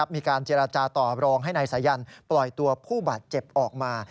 มีการเจรจาต่อรองให้นายสายันปล่อยตัวผู้บาดเจ็บออกมา